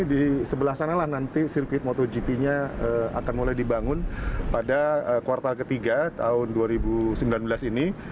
di sebelah sanalah nanti sirkuit motogp nya akan mulai dibangun pada kuartal ketiga tahun dua ribu sembilan belas ini